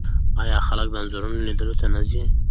آیا خلک د انځورونو لیدلو ته نه ځي؟